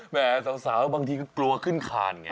แม่สาวบางทีก็กลัวขึ้นคานไง